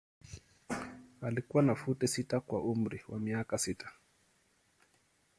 Alikuwa na futi sita kwa umri wa miaka sita.